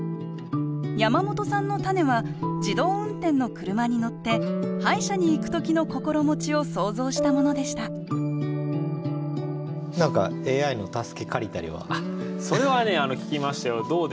山本さんのたねは自動運転の車に乗って歯医者に行く時の心持ちを想像したものでしたそれはね聞きましたよ。